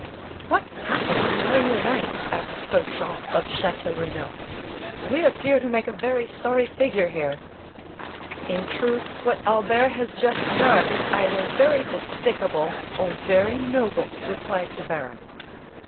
"What happened during the night?" asked Beauchamp of Château Renaud; "we appear to make a very sorry figure here." "In truth, what Albert has just done is either very despicable or very noble," replied the baron.